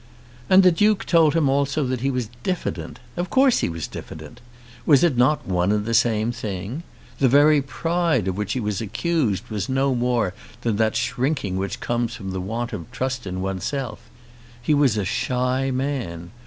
And the Duke told him also that he was diffident. Of course he was diffident. Was it not one and the same thing? The very pride of which he was accused was no more than that shrinking which comes from the want of trust in oneself. He was a shy man.